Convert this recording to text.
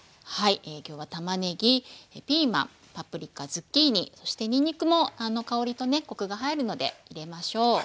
今日はたまねぎピーマンパプリカズッキーニそしてにんにくも香りとねコクが入るので入れましょう。